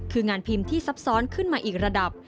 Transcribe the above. คืองานพิมพ์ที่ซับซ้อนขึ้นมาอีกระดับ